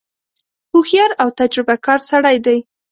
هوښیار او تجربه کار سړی دی.